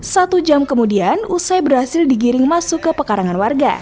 satu jam kemudian usai berhasil digiring masuk ke pekarangan warga